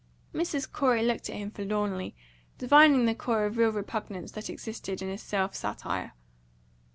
Mrs. Corey looked at him forlornly, divining the core of real repugnance that existed in his self satire.